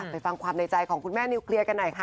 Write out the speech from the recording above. ฟังความในใจของคุณแม่นิวเคลียร์กันหน่อยค่ะ